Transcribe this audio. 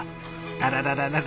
あらららら